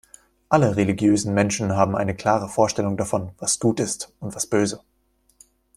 Alle religiösen Menschen haben eine klare Vorstellung davon, was gut ist und was böse.